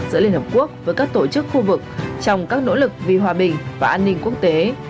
giữa liên hợp quốc với các tổ chức khu vực trong các nỗ lực vì hòa bình và an ninh quốc tế